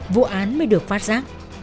vụ án mới được phát giác